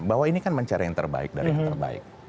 bahwa ini kan mencari yang terbaik dari yang terbaik